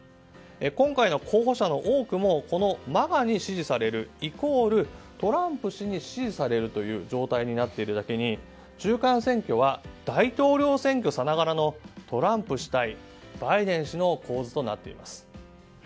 今回の候補者の多くもこのＭＡＧＡに支持されるイコール、トランプ氏に支持されるという状態になっているだけに中間選挙は大統領選挙さながらのトランプ氏対バイデン氏の構図となっています。